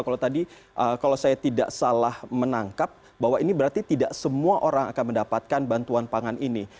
kalau tadi kalau saya tidak salah menangkap bahwa ini berarti tidak semua orang akan mendapatkan bantuan pangan ini